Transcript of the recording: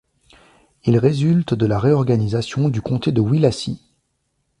Il résulte de la réorganisation du comté de Willacy.